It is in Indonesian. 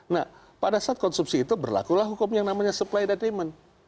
nah pada saat konsumsi itu berlaku lah hukum yang namanya supply and demand